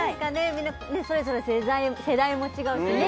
みんなそれぞれ世代も違うしね